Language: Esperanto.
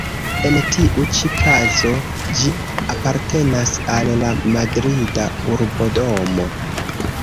En tiu ĉi kazo ĝi apartenas al la Madrida Urbodomo.